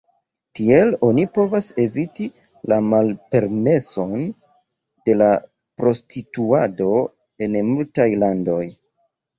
Tiel oni povas eviti la malpermeson de la prostituado en multaj landoj.